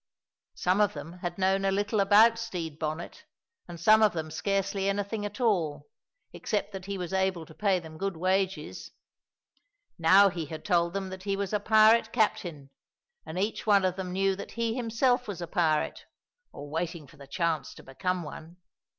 Some of them had known a little about Stede Bonnet and some of them scarcely anything at all, except that he was able to pay them good wages. Now he had told them that he was a pirate captain, and each of them knew that he himself was a pirate, or was waiting for the chance to become one.